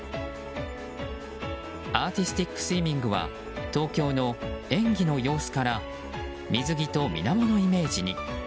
アーティスティックスイミングは東京の演技の様子から水着とみなものイメージに。